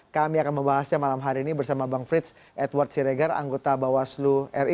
kami akan membahasnya malam hari ini bersama bang frits edward siregar anggota bawaslu ri